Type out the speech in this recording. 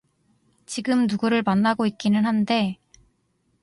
지금 누구를 만나고 있기는 한데